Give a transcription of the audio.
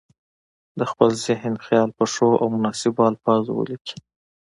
د خپل ذهن خیال په ښو او مناسبو الفاظو ولیکي.